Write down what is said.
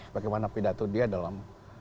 bagaimana pidato dia dalam